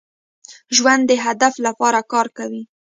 ژوندي د هدف لپاره کار کوي